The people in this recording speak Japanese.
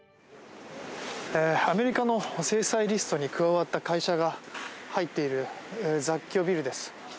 アメリカの制裁リストに加わった会社が入っている雑居ビルです。